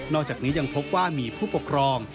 อกจากนี้ยังพบว่ามีผู้ปกครอง